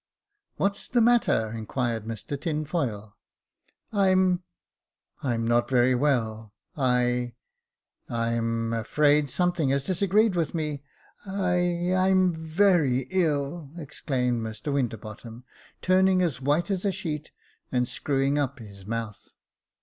"What's the matter?" inquired Mr Tinfoil. " I'm — I'm not very well — I — I'm afraid something has dis agreed with me. I — I'm very ill," exclaimed Mr Winter bottom, turning as white as a sheet, and screwing up his mouth.